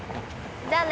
じゃあね。